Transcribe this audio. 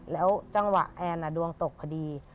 แล้วจังหวะแอนดวงตกพอดี